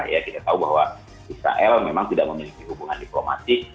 ya kita tahu bahwa israel memang tidak memiliki hubungan diplomatik